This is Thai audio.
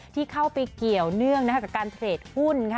ที่เข้าไปเกี่ยวเนื่องกับการเทรดหุ้นค่ะ